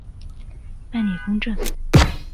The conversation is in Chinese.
办理公证